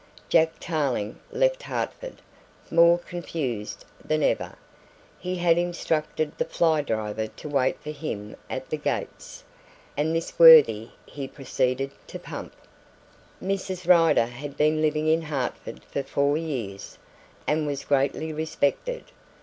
Jack Tarling left Hertford more confused than ever. He had instructed the fly driver to wait for him at the gates, and this worthy he proceeded to pump. Mrs. Rider had been living in Hertford for four years, and was greatly respected.